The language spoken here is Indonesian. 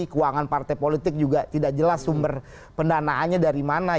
keuangan partai politik juga tidak jelas sumber pendanaannya dari mana